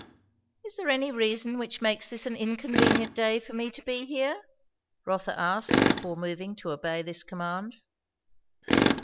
"Is there any reason which makes this an inconvenient day for me to be here?" Rotha asked before moving to obey this command.